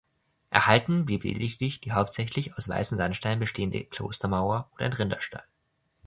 Erhalten blieb lediglich die hauptsächlich aus weißem Sandstein bestehende Klostermauer und ein Rinderstall.